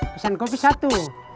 pesan kopi satu